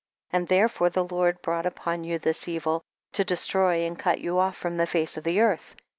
and therefore the Lord brought upon you this evil, to destroy and cut you off from the face of the earth.